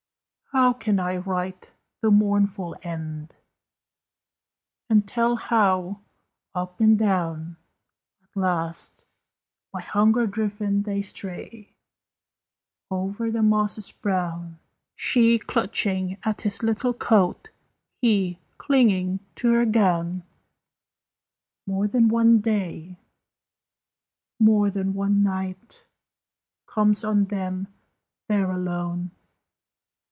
How can I write the mournful end And tell how, up and down, At last, by hunger driven, they stray Over the mosses brown She clutching at his little coat, He clinging to her gown? More than one day more than one night, Comes on them there alone!